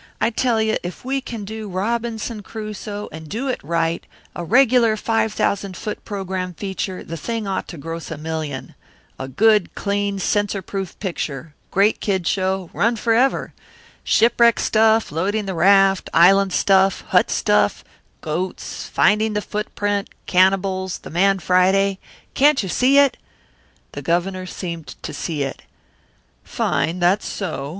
I tell you if we can do Robinson Crusoe, and do it right, a regular five thousand foot program feature, the thing ought to gross a million. A good, clean, censor proof picture great kid show, run forever. Shipwreck stuff, loading the raft, island stuff, hut stuff, goats, finding the footprint, cannibals, the man Friday can't you see it?" The Governor seemed to see it. "Fine that's so!"